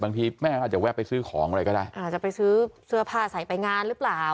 บางทีแม่อาจจะแวะไปซื้อของอะไรก็ได้อาจจะไปซื้อเสื้อผ้าใส่ไปงานหรือเปล่า